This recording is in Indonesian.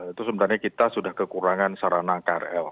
itu sebenarnya kita sudah kekurangan sarana krl